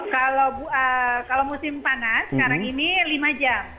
kalau musim panas sekarang ini lima jam